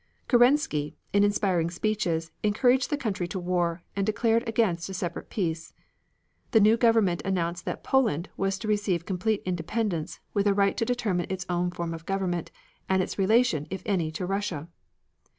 Kerensky, in inspiring speeches, encouraged the country to war, and declared against a separate peace. The new government announced that Poland was to receive complete independence, with a right to determine its own form of government, and its relation, if any, to Russia.